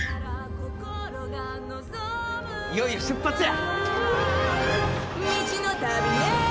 いよいよ出発や！